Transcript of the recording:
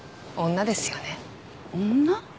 女？